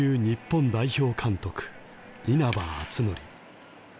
日本代表監督稲葉篤紀。